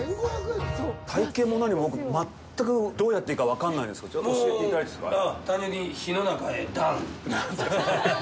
体験も何も、僕、全く、どうやっていいか分かんないんですけど、ちょっと教えていただいていいですか？